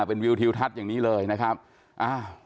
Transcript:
เป็นวิวทิวทัศน์อย่างนี้เลยนะครับอ้าว